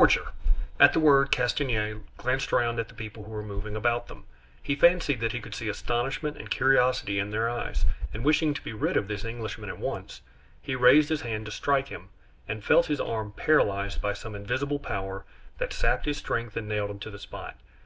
"Forger!" At the word, Castanier glanced round at the people who were moving about them. He fancied that he could see astonishment and curiosity in their eyes, and wishing to be rid of this Englishman at once, he raised his hand to strike him and felt his arm paralyzed by some invisible power that sapped his strength and nailed him to the spot.